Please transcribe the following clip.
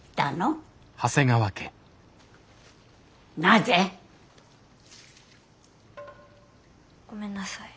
なぜ？ごめんなさい。